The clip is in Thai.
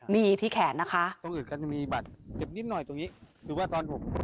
นี่ที่แขนนะคะ